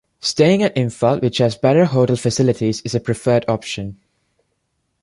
Staying at Imphal which has better hotel facilities is a preferred option.